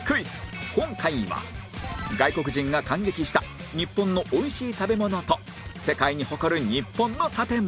今回は外国人が感激した日本の美味しい食べ物と世界に誇る日本の建物